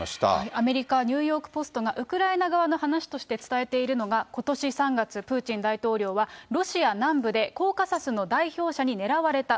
アメリカ・ニューヨーク・ポストが伝えているのが、ことし３月、プーチン大統領はロシア南部で、コーカサスの代表者に狙われた。